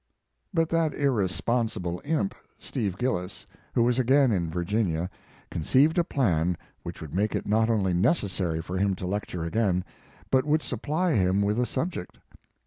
But that irresponsible imp, Steve Gillis, who was again in Virginia, conceived a plan which would make it not only necessary for him to lecture again, but would supply him with a subject.